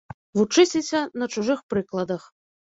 Вучыцеся на чужых прыкладах.